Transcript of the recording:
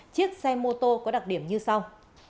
chiếc xe mô tô có đặc điểm như sau